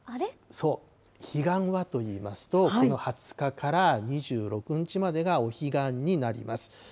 そう、彼岸はといいますと、この２０日から２６日までがお彼岸になります。